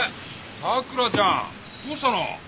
さくらちゃん！どうしたの？